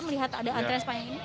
melihat ada antrean sepanjang ini